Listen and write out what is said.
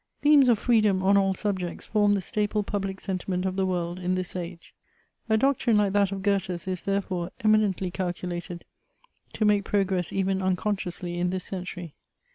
Themes of freedom on all subjects form the staple public sentiment of the world in this age. A doc trine like that of Goethe's is, therefore, eminently calculated to make progress even unconciously in this century.